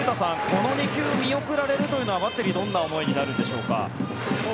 この２球、見送られるというのはバッテリーはどんな思いになるんでしょうか。